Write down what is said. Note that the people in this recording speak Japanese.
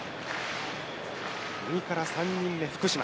右から３人目福島。